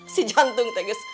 si jantung tegis